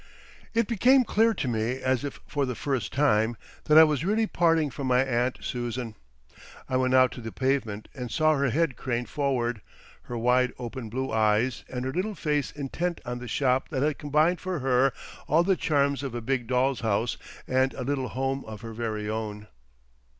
It became clear to me as if for the first time, that I was really parting from my aunt Susan. I went out on to the pavement and saw her head craned forward, her wide open blue eyes and her little face intent on the shop that had combined for her all the charms of a big doll's house and a little home of her very own.